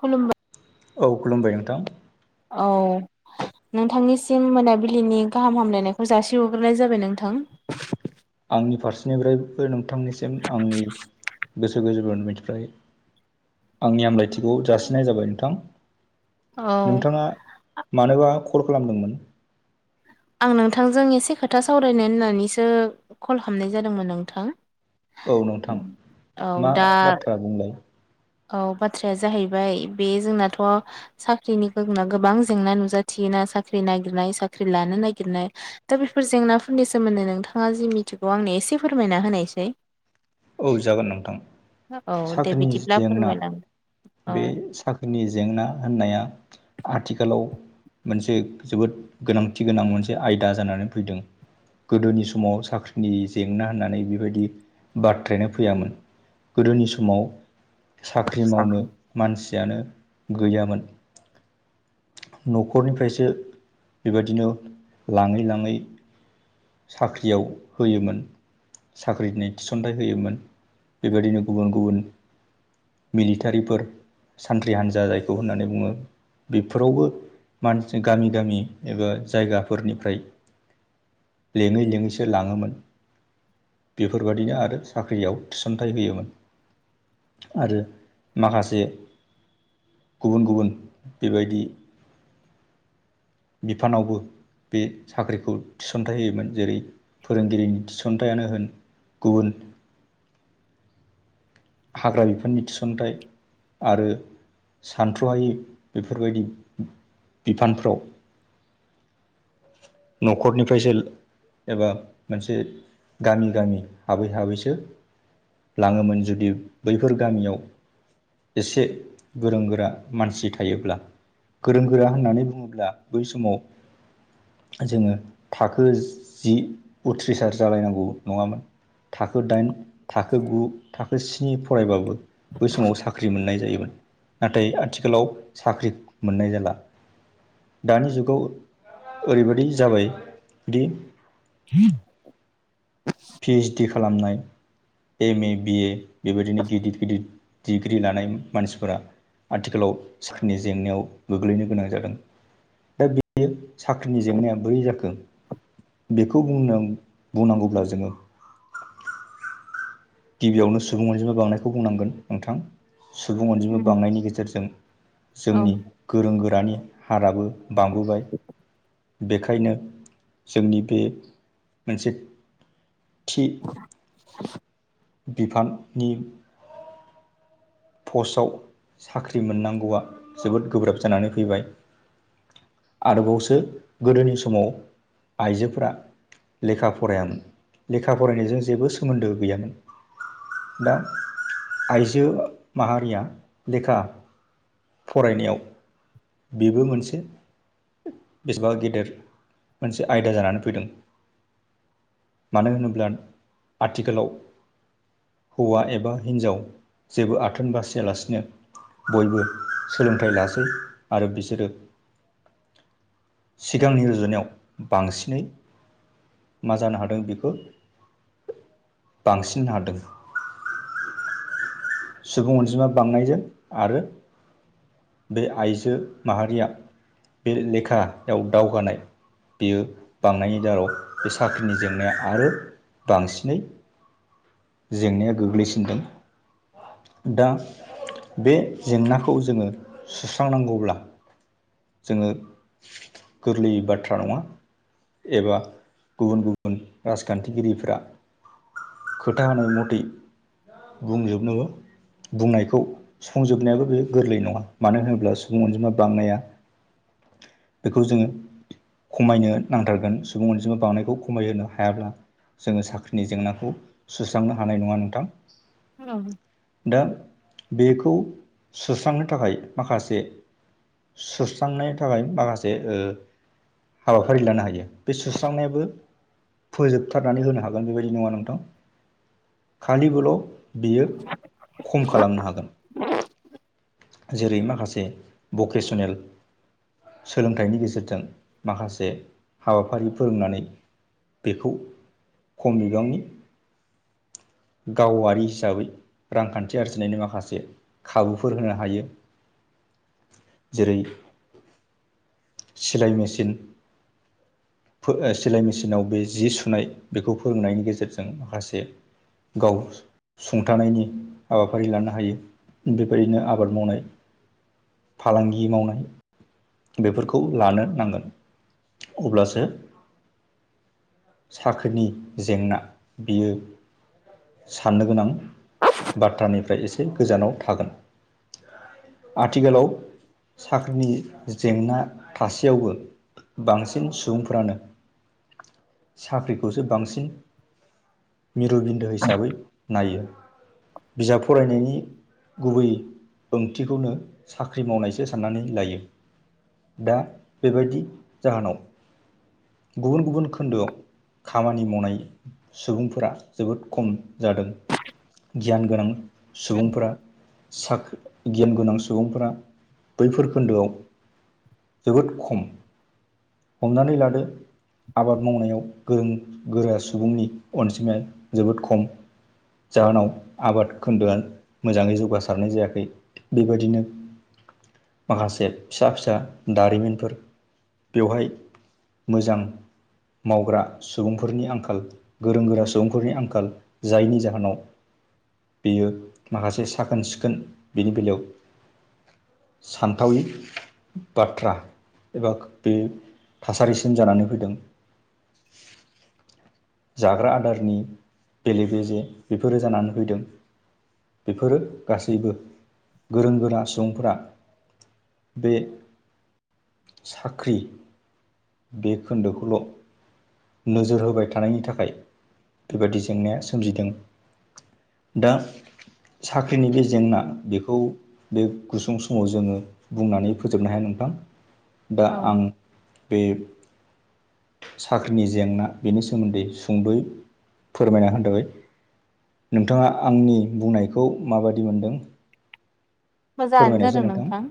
खुलुमबाय औ खुलुमबाय नोंथां औ नोंथांनिसिम मोनाबिलिनि गाहाम हामलायनायखौ जासिहरग्रोनाय जाबाय नोंथां आंनि फारसेनिफ्रायबो नोंथांनिसिम आंनि गोसो गोजोरनिफ्राय आंनि आमलायथिखौ जासिनाय जाबाय नोंथां औ नोंथाङा मानोबा कल खालामदोंमोन आं नोंथांजों एसे खोथा सावरायनो होननानैसो कल हामनाय जादोंमोन नोंथां औ नोंथां औ मा दा बाथ्रा बुंलाय औ बाथ्राया जाहैबाय बे जोंनाथ' साख्रिनि गुना गोबां जेंना नुजाथियोना साख्रि नागिरनाय साख्रि लानो नागिरनाय दा बेफोर जेंनाफोरनि सोमोन्दै नोंथाङा जि मिथिगौ आंनो एसे फोरमायना होनायसै औ जागोन नोंथां औ दे साख्रिनि बिदिब्ला जेंना फोरमायलां औ बे साख्रिनि जेंना होननाया आथिखालाव मोनसे जोबोद गोनांथि गोनां मोनसे आयदा जानानै फैदों गोदोनि समाव साख्रिनि जेंना होननानै बेबायदि बाथ्रायानो फैयामोन गोदोनि समाव साख्रि मावनो मानसियानो गैयामोन न'खरनिफ्रायसो बेबायदिनो लाङै लाङै साख्रियाव होयोमोन साख्रिनि थिसनथाइ होयोमोन बेबायदिनो गुबुन गुबुन मिलिटारिफोर सानथ्रि हान्जा जायखौ होननानै बुङो बेफोरावबो मानसि गामि गामि एबा जायगाफोरनिफ्राय लेङै लिङैसो लाङोमोन बेफोरबायदिनो आरो साख्रियाव थिसनथाइ होयोमोन आरो माखासे गुबुन गुबुन बेबायदि बिफानावबो बे साख्रिखौ थिसनथाइ होयोमोन जेरै फोरोंगिरिनि थिसनथायानो होन गुबुन हाग्रा बिफाननि थिसनथाइ आरो सानथ्र'हायै बेफोरबायदि बिफानफ्राव न'खरनिफ्रायसो एबा मोनसे गामि गामि हाबै हाबैसो लाङोमोन जुदि बैफोर गामियाव एसे गोरों गोरा मानसि थायोब्ला गोरों गोरा होननानै बुङोब्ला बै समाव जोङो थाखो जि उथ्रिसार जालायनांगौ नङामोन। थाखो दाइन थाखो गु थाखो स्नि फरायबाबो बै समाव साख्रि मोननाय जायोमोन। नाथाय आथिखालाव साख्रि मोननाय जाला दानि जुगाव ओरैबायदि जाबाय दि [inaudible] पि ओइस डि खालामनाय एम ए बिए बेबायदिनो गिदिर गिदिर डिग्रि लानाय मानसिफोरा आथिखालाव [unintelligible] नि जेंनायाव गोग्लैनो गोनां जादों दा बेयो साख्रिनि जेंनाया बोरै जाखो बेखौ बुंनों बुंनांगौब्ला जोङो गिबियावनो सुबुं अनजिमा बांनायखौ बुंनांगोन नोंथां। सुबुं अनजिमा उम बांनायनि गेजेरजों औ जोंनि गोरों गोरानि हाराबो बांबोबाय। बेखायनो जोंनि बे मोनसे थि [inaudible] बिफाननि पस्टाव साख्रि मोननांगौआ जोबोद गोब्राब जानानै फैबाय। आरोबावसो गोदोनि समाव आइजोफोरा लेखा फरायामोन लेखा फरायनायजों जेबो सोमोन्दो गैयामोन। दा आइजो माहारिया लेखा फरायनायाव बेबो मोनसे बेसेबा गेदेर मोनसे आयदा जानानै फैदों। मानो होनोब्ला आथिखालाव हौवा एबा हिन्जाव जेबो आथोन बासियालासिनो बयबो सोलोंथाइ लासै आरो बिसोरो सिगांनि रुजुनायाव बांसिनै मा जानो हादों बेखौ बांसिन हादों। सुबुं अनजिमा बांनायजों आरो बे आइजो माहारिया बे लेखायाव दावगानाय बियो बांनायनि दाराव बे साख्रिनि जेंनाया आरो बांसिनै जेंनाया गोग्लैसिनदों। दा बे जेंनाखौ जोङो सुस्रांनांगौब्ला जोङो गोरलैयै बाथ्रा नङा। एबा गुबुन गुबुन राजखान्थिगिरिफ्रा खोथा होनाय मथै बुंजोबनोबो बुंनायखौ सुफुंजोबनायाबो बेयो गोरलै नङा मानो होनोब्ला सुबुं अनजिमा बांनाया बेखौ जोङो खमायनो नांथारगोन सुबुं अनजिमा बांनायखौ खमायहोनो हायाब्ला जोङो साख्रिनि जेंनाखौ सुस्रांनो हानाय नङा नोंथां। [unintelligible] दा बेखौ सुस्रांनो थाखाय माखासे सुस्रांनाय थाखाय माखासे ओ हाबाफारि लानो हायो बे सुस्रांनायाबो फोजोबथारनानै होनो हागोन बेबायदि नङा नोंथां। खालिबोल' बियो खम खालामनो हागोन। जेरै माखासे भकेसनेल सोलोंथाइनि गेजेरजों माखासे हाबाफारि फोरोंनानै बेखौ खम बिबांनि गावारि हिसाबै रांखान्थि आरजिनायनि माखासे खाबुफोर होनो हायो जेरै सिलाय मेसिन फो सिलाय मेसिनाव बे जि सुनाय बेखौ फोरोंनायनि गेजेरजों माखासे गाव सुंथानायनि हाबाफारि लानो हायो बेबायदिनो आबाद मावनाय फालांगि मावनाय बेफोरखौ लानो नांगोन अब्लासो साख्रिनि जेंना बियो साननो गोनां बाथ्रानिफ्राय एसे गोजानाव थागोन आथिखालाव साख्रिनि जेंना थासेयावबो बांसिन सुबुंफ्रानो साख्रिखौसो बांसिन मिरु बिन्दो हिसाबै नायो बिजाब फरायनायनि गुबै ओंथिखौनो साख्रि मावनायसो साननानै लायो दा बेबायदि जाहोनाव गुबुन गुबुन खोनदोयाव खामानि मावनाय सुबुंफोरा जोबोद खम जादों गियान गोनां सुबुंफोरा साख गियान गोनां सुबुंफोरा बैफोर खोनदोयाव जोबोद खम हमनानै लादो आबाद मावनायाव गोरों गोरा सुबुंनि अनजिमाया जोबोद खम जाहोनाव आबाद खोनदोआ मोजाङै जौगासारनाय जायाखै बेबायदिनो माखासे फिसा फिसा दारिमिनफोर बेवहाय मोजां मावग्रा सुबुंफोरनि आंखाल गोरों गोरा सुबुंफोरनि आंखाल जायनि जाहोनाव बेयो माखासे साखोन सिखोन बेनि बेलायाव सानथावै बाथ्रा एबा बे थासारिसिम जानानै फैदों जाग्रा आदार नि बेले बेजे बेफोरो जानानै फैदों बेफोरो गासैबो गोरों गोरा सुबुंफोरा बे साख्रि बे खोनदोखौल' नोजोर होबाय थानायनि थाखाय बेबायदि जेंनाया सोमजिदों दा साख्रिनि बे जेंना बेखौ बे गुसुं समाव जोङो बुंनानै फोजोबनो हाया नोंथां दा औ आं बे नि जेंना बेनि सोमोनदै सुंद'यै फोरमायना होनो थाखाय नोंथाङा आंनि बुंनायखौ माबादि मोनदों मोजाङानो जादों नोंथां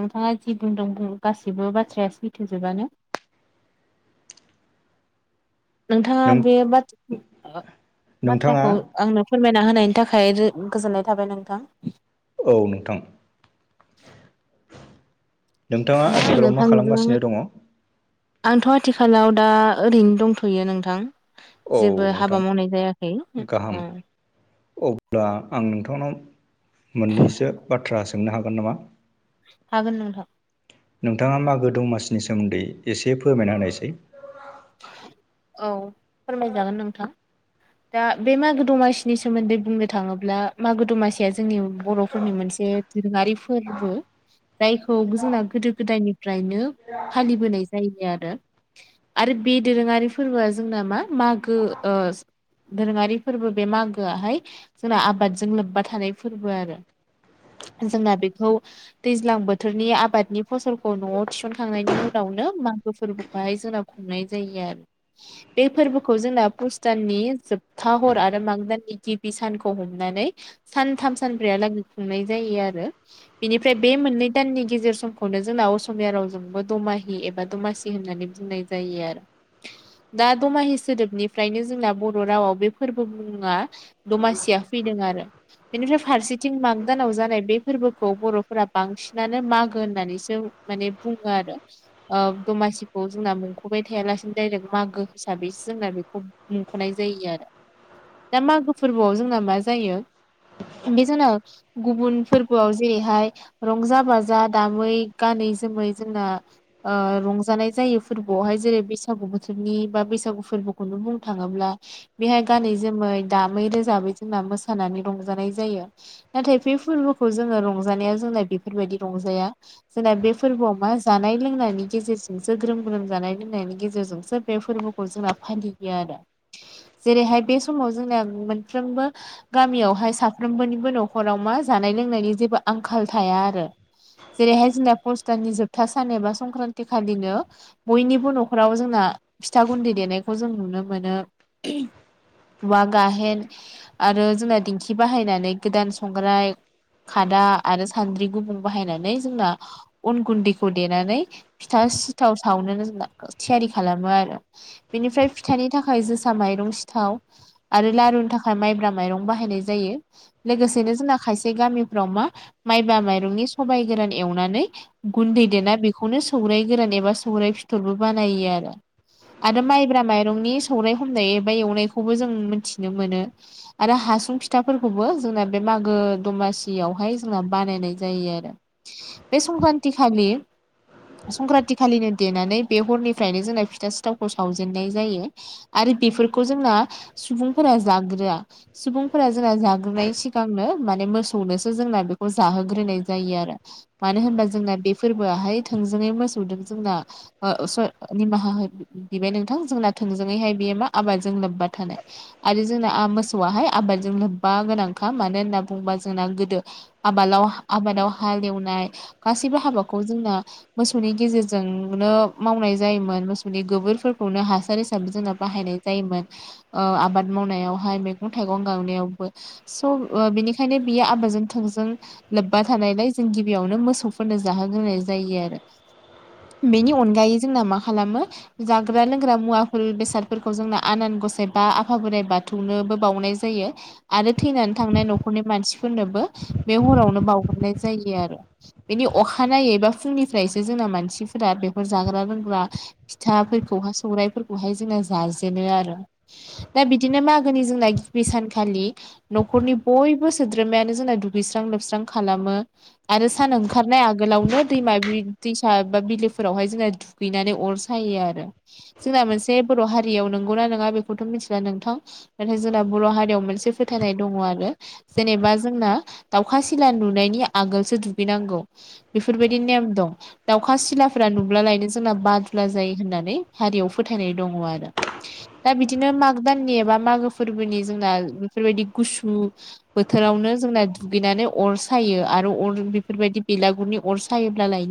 नोंथाङा जि बुंदों गासिबो बाथ्राया सैथोजोबानो नोंथाङा नों बे बाथ नोंथाङा बाथ्राखौ आंनो फोरमायना होनायनि थाखाय रो गोजोननाय थाबाय नोंथां औ नोंथां नोंथाङा दा आं आथिखालाव मा नोंथांजों खालामगासिनो दङ आंथ' आथिखालाव दा ओरैनो दंथ'यो नोंथां औ जेबो नोंथां हाबा मावनाय जायाखै गाहाम अब्ला आं नोंथांनाव मोननैसो बाथ्रा सोंनो हागोन नामा होगोन नोंथां नोंथाङा मागो दमासिनि सोमोनदै एसे फोरमायना होनायसै औ फोरमायजागोन नोंथां दा बे मागो दमासिनि सोमोनदै बुंनो थांङोब्ला मागो दमासिया जोंनि बर'फोरनि मोनसे दोरोंङारि फोरबो जायखौ जोंना गोदो गोदायनिफ्रायनो फालिबोनाय जायोबाय आरो आरो बे दोरोंङारि फोरबोया जोंना मा मागो ओ दोरोङारि फोरबो बे मागोयाहाय जोंना आबादजों लोब्बा थानाय फोरबो आरो जोंना बेखौ दैज्लां बोथोरनि आबादनि फसलखौ न'आव थिसनखांनायनि उनावनो मागो फोरबोखौहाय जोंनाव खुंनाय जायो आरो बे फोरबोखौ जोंना पुस दाननि जोब था हर आरो माग दाननि गिबि सानखौ हमनानै सानथाम सानब्रैयालागै खुंनाय जायो आरो बेनिफ्राय बे मोननै दाननि गेजेर समखौनो जोंना असमिया रावजोंबो दमाहि एबा दमासि होननानै बुंनाय जायो आरो दा दमाहि सोदोबनिफ्रायनो जोंना बर' रावाव बे फोरबो मुंङा दमासिया फैदों आरो बेनिफ्राय फारसेथिं माग दानाव जानाय बे फोरबोखौ बर'फोरा बांसिनानो मागो होननानैसो माने बुङो आरो दमासिखौ जोंना मोन बाय थायालासिनो डाइरेक्ट मागो हिसाबैसो जोंना बेखौ मुंख'नाय जायो आरो दा मागो फोरबोआव जोंना मा जायो बे जोंना गुबुन फोरबोआव जेरैहाय रंजा बाजा दामै गानै जोमै जोंना रंजानाय जायो फोरब खौहाय जेरै बैसागु बोथोरनि बा बैसागु फोरबोखौनो बुंनो थाङोब्ला बेहाय गानै जोमै दामै रोजाबै जोंना मोसानानै रंजानाय जायो। नाथाय बे फोरबोखौ जोंङो रंजानाया जोंना बेफोरबायदि रंजाया जोंना बे फोरबोआव मा जानाय लोंनायनि गेजेरजोंसो ग्रोम लोमजानाय लोंनायनि गेजेरजोंसो बे फोरबोखौ जोंना फालिबोयो आरो जेरैहाय बे समाव जोंना मोनफ्रोमबो गामियावहाय साफ्रोमबोनिबो न'खराव मा जानाय लोंनायनि जेबो आंखाल थाया आरो जेरैहाय जोंना पुष दाननि जोबथा सान एबा संक्रान्ति खालिनो बयनिबो न'खराव जोंना फिथा गुन्दै देनायखौ जों नुनो मोनो औवा गाहेन आरो जोंना दिंखि बाहायनानै गोदान संग्राय खादा आरो सान्द्रि गुबुं बाहायनानै जोंना अन गुन्दैखौ देनानै फिथा सिथाव सावनोनो जोंना थियारि खालामो आरो बेनिफ्राय फिथानि थाखाय जोसा माइरं सिथाव आरो लारुनि थाखाय माइब्रा माइरं बाहायनाय जायो। लोगोसेनो जोंना खायसे गामिफ्राव मा माइब्रा माइरंनि सबाइ गोरान एवनानै गुन्दै देना बेखौनो सौराय गोरान एबा सौराय फिथरबो बानायो आरो आरो माइब्रा माइरंनि सौराय हमनाय एबा एवनायखौबो जों मोनथिनो मोनो आरो हासुं फिथाफोरखौबो जोंना बे मागो दमासियावहाय जोंना बानायनाय जायो आरो बे संक्रान्ति खालि संक्रान्ति खालिनो देनानै बे हरनिफ्रायनो जोंना फिथा सिथावखौ सावजेननाय जायो आरो बेफोरखौ जोंना सुबुंफोरा जाग्रोआ सुबुंफोरा जोंना जाग्रोनाय सिगांनो माने मोसौनोसो जोंना बेखौ जाहोग्रोनाय जायो आरो मानो होनबा जोंना बे फोरबोआहाय थोंजोङै मोसौदों जोंना ओ स निमाहा बिबाय नोंथां जोंना थोंजोङैहाय बियो मा आबादजों लोब्बा थानाय आरो जोंना मोसौआाहाय आबादजों लोब्बा गोनांखा मानो होनना होनना बुंङोबा जोंना गोदो आबालाव आबादाव हाले एवनाय गासैबो हाबाखौ जोंना मोसौनि गेजेरजों नो मावनाय जायोमोन मोसौनि गोबोरफोरखौनो हासार हिसाबै जोंना बाहायनाय जायोमोन आबाद मावनायावहाय मैगं थाइगं गांनायावबो स' बिनिखायनो बियो आबादजों थोंजों लोब्बा थानायलाय जों गिबियावनो मोसौफोरनो जाहोग्रोनाय जायो आरो बेनि अनगायै जोंना मा खालामो जाग्रा लोंग्रा मुवाफोर बेसादफोरखौ जोंना आनान गसाइ बा आफा बोराइ बाथौनोबो बावनाय जायो आरो थैनानै थांनाय न'खरनि मानसिफोरनोबो बे हरावनो बावग्रोनाय जायो आरो बेनि अखानायै बा फुंनिफ्रायसो जोंना मानसिफोरा बेफोर जाग्रा लोंग्रा फिथाफोरखौहाय सौराय फोरखौहाय जोङो जाजेनो आरो दा बिदिनो मागोनि जोंना गिबि सानखालि नखरनि बयबो सोद्रोमायानो जोंना दुगैस्रां लोबस्रां खालामो आरो सान ओंखारनाय आगोलावनो दैमा दैसा बा बिलो फोरावहाय जोंना दुगैनानै अर सायो आरो जोंना मोनसे बर' हारियाव नोंगौना नङा बेखौथ' मिथिला नोंथां नाथाय जोंना बर' हारियाव मोनसे फोथायनाय दङ आरो जेनेबा जोंना दाउखा सिला नुनायनि आगोलसो दुगैनांगौ बेफोरबायदि नेम दं दाउखा सिला फ्रा नुब्लालायनो जोंना बादुला जायो होननानै हारियाव फोथायनाय दङ आरो दा बिदिनो माग दाननि एबा मागो फोरबोनि जोंना बेफोरबायदि गुसु बोथोरावनो जोंना दुगैनानै अर सायो आरो अर बेफोरबायदि बेलागुरनि अर सायोब्लालायनो